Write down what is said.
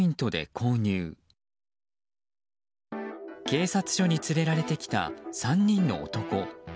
警察署に連れられてきた３人の男。